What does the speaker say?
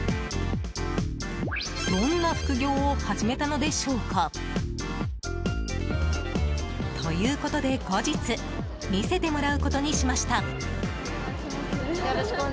どんな副業を始めたのでしょうか。ということで、後日見せてもらうことにしました。